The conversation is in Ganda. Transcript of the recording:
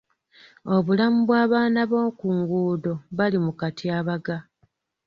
Obulamu bw'abaana bo ku nguudo bali mu katyabaga.